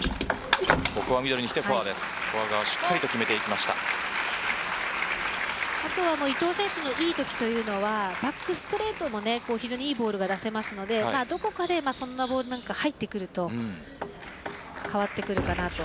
フォア側伊藤選手のいいときというのはバックストレートの非常にいいボールが出せますのでどこかでそんなボールが入ってくると変わってくるかなと。